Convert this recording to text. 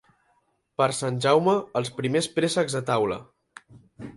Per Sant Jaume, els primers préssecs a taula.